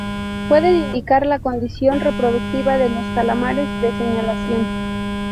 Puede indicar la condición reproductiva de los calamares de señalización.